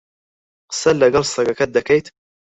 قسە لەگەڵ سەگەکەت دەکەیت؟